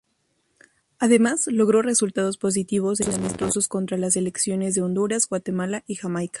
Además, logró resultados positivos en amistosos contra las selecciones de Honduras, Guatemala y Jamaica.